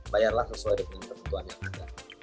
bayarlah sesuai dengan ketentuan yang ada